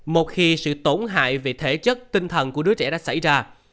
một khi sự tổn hại về thể chất tinh thần của đứa trẻ đã xảy ra